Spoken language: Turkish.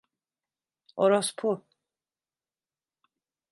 Orospu!